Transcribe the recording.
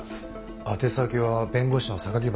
宛先は弁護士の原真次。